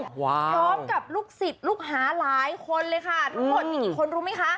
พร้อมกับลูกศิษย์ลูกฮาหลายคนเลยค่ะรวมกว่ามีกี่คนรู้มั้ยคะ